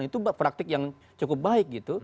itu praktik yang cukup baik gitu